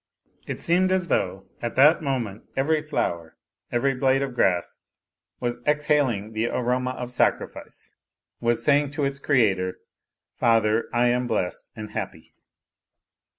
It seemed as though at that moment every flower, every blade of grass was exhaling the aroma of sacrifice, was saying to its Creator, " Father, I am blessed and happy."